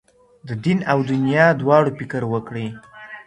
د دین او دنیا دواړو فکر وکړئ.